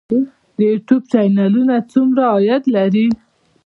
د یوټیوب چینلونه څومره عاید لري؟